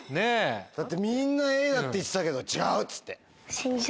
だってみんなＡだって言ってたけど「違う」っつって。